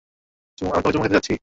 আমি তোমাকে চুমু খেতে যাচ্ছি।